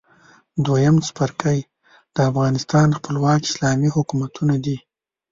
دویم څپرکی د افغانستان خپلواک اسلامي حکومتونه دي.